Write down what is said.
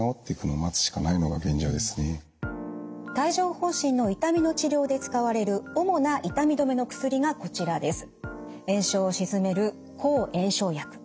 帯状ほう疹の痛みの治療で使われる主な痛み止めの薬がこちらです。